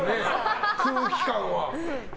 空気感は。